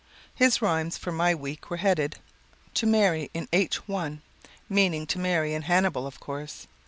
His rhymes for my week were headed, 'To Mary in H 1,' meaning to Mary in Hannibal, of course.